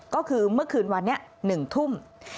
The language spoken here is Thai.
ก็คือเมื่อคืนวันนี้๑ทุ่ม